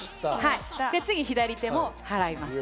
次、左手もはらいます。